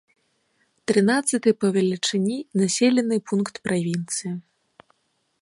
Трынаццаты па велічыні населены пункт правінцыі.